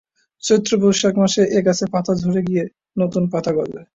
চৈত্র-বৈশাখ মাসে এ গাছে পাতা ঝরে গিয়ে নতুন পাতা গজায়।